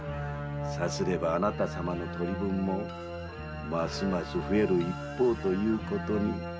さすればあなた様の取り分もますます増える一方に。